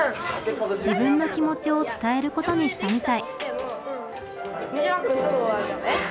自分の気持ちを伝えることにしたみたい。